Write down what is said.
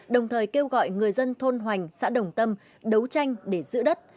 đồng thời kêu gọi người dân thôn hoành xã đồng tâm đấu tranh để giữ đất